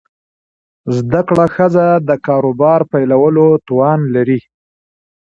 زده کړه ښځه د کاروبار پیلولو توان لري.